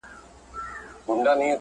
تر دې دمه پورې ټولو و منلی